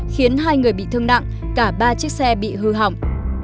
khiến hai người bị thương nặng cả ba chiếc xe bị hư hỏng